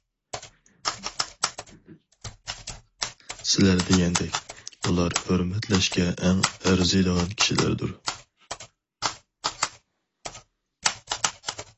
سىلەر دېگەندەك، ئۇلار ھۆرمەتلەشكە ئەڭ ئەرزىيدىغان كىشىلەردۇر.